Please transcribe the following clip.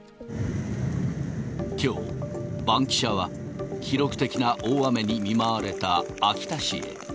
きょう、バンキシャは記録的な大雨に見舞われた秋田市へ。